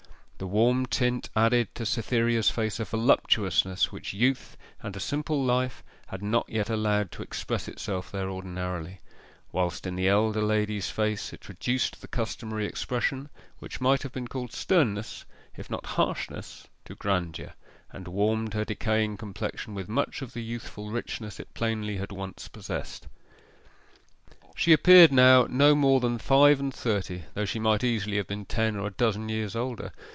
The warm tint added to Cytherea's face a voluptuousness which youth and a simple life had not yet allowed to express itself there ordinarily; whilst in the elder lady's face it reduced the customary expression, which might have been called sternness, if not harshness, to grandeur, and warmed her decaying complexion with much of the youthful richness it plainly had once possessed. She appeared now no more than five and thirty, though she might easily have been ten or a dozen years older.